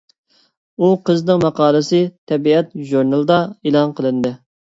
ئۇ قىزنىڭ ماقالىسى «تەبىئەت» ژۇرنىلىدا ئېلان قىلىندى.